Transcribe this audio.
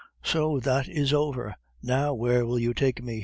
"So, that is over; and now where will you take me?"